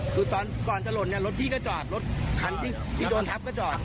คือตอนก่อนจะหล่นเนี่ยรถพี่ก็จอดรถคันที่โดนทับก็จอด